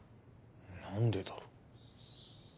何でだろ。